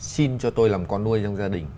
xin cho tôi làm con nuôi trong gia đình